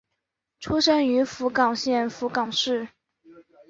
出身于福冈县福冈市。